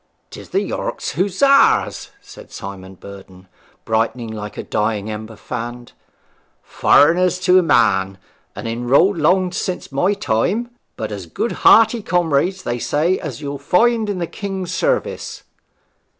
''Tis the York Hussars!' said Simon Burden, brightening like a dying ember fanned. 'Foreigners to a man, and enrolled long since my time. But as good hearty comrades, they say, as you'll find in the King's service.'